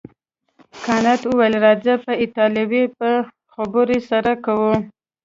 کانت وویل راځه په ایټالوي به خبرې سره کوو.